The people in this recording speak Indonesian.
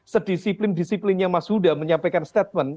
sedisiplin disiplinnya mas huda menyampaikan statement